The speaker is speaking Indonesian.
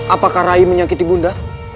apakah rai menyakiti bunda